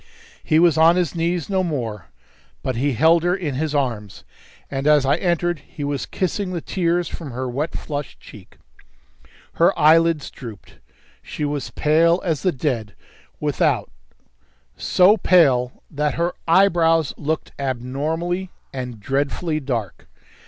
He was on his knees no more, but he held her in his arms, and as I entered he was kissing the tears from her wet, flushed cheek. Her eyelids drooped; she was pale as the dead without, so pale that her eyebrows looked abnormally and dreadfully dark.